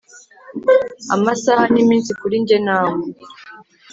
amasaha n'iminsi kuri njye nawe